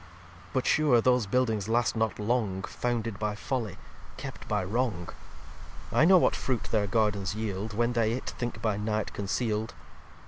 xxviii "But sure those Buildings last not long, Founded by Folly, kept by Wrong. I know what Fruit their Gardens yield, When they it think by Night conceal'd.